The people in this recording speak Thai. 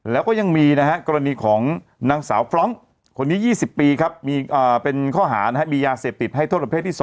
แล้วก็ยังมีนะฮะกรณีของนางสาวฟรองค์คนนี้๒๐ปีครับมีเป็นข้อหามียาเสพติดให้โทษประเภทที่๒